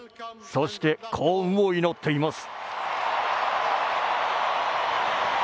そして幸運を祈っています。